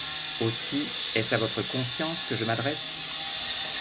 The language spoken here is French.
Aussi est-ce à votre conscience que je m'adresse.